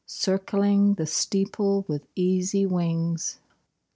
Circling the steeple with easy wings.